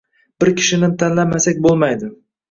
Bir kishini tanlamasak boʻlmaydi.